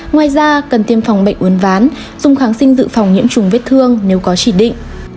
ngoài ra cần tiêm phòng bệnh uốn ván dùng kháng sinh dự phòng nhiễm trùng vết thương nếu có chỉ định